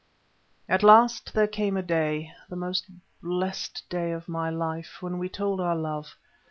At last there came a day—the most blessed of my life, when we told our love.